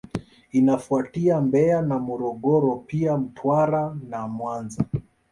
Inafuatia Mbeya na Morogoro pia Mtwara na Mwanza